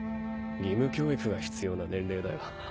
義務教育が必要な年齢だよ。